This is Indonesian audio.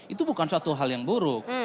itu bukan suatu hal yang buruk